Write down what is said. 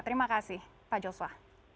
terima kasih pak joshua